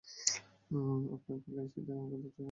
আপনার খেলায় সেটা কতটা সাহায্য করেছে?